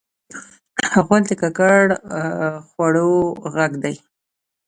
غول د ککړ خوړو غږ دی.